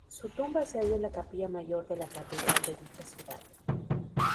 Su tumba se halla en la Capilla Mayor de la Catedral de dicha ciudad.